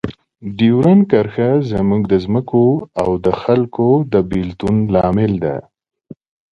ډیورنډ کرښه زموږ د ځمکو او خلکو د بیلتون لامل ده.